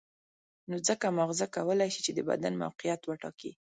نو ځکه ماغزه کولای شي چې د بدن موقعیت وټاکي.